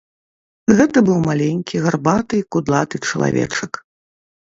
Гэта быў маленькі, гарбаты і кудлаты чалавечак.